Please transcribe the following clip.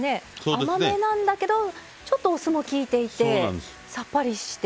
甘めなんだけどちょっとお酢もきいていてさっぱりして。